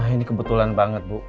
ini kebetulan banget bu